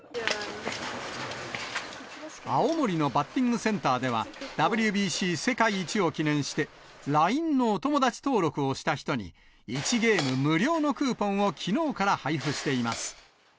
青森のバッティングセンターでは、ＷＢＣ世界一を記念して、ＬＩＮＥのお友達登録をした人に、１ゲーム無料のクーポンをきのうから配布しています。